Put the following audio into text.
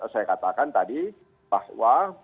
saya katakan tadi bahwa